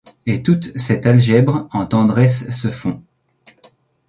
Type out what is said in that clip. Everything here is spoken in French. Et toute cette algèbre en tendresse se fond.